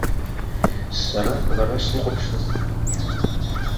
Сара лара слыхәаԥшны сааччоит.